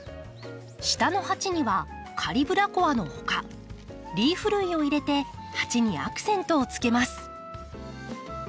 下の鉢にはカリブラコアのほかリーフ類を入れて鉢にアクセントをつけます。